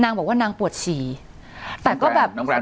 นางบอกว่านางปวดฉี่แต่ก็แบบน้องแกรมน้องแกรม